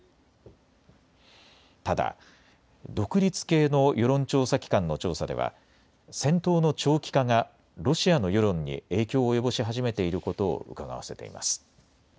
ただ、独立系の世論調査機関の調査では戦闘の長期化がロシアの世論に影響を及ぼし始めていることをうかがわせています。